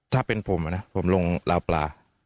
ถ้าเป็นผมนะผมลงราวปลา